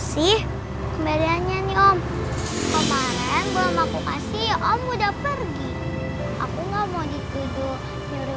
sih kembaliannya nih om kemarin belum aku kasih om udah pergi aku nggak mau dituduh nyuruh